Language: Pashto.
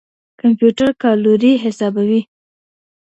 کمپيوټر کالوري حسابوي.